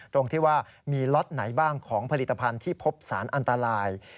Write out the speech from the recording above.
ตรงที่ว่ามีล็อตไหนบ้างของผลิตภัณฑ์ที่พบสารอันตราย